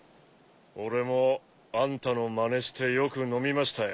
俺もあんたのまねしてよく飲みましたよ。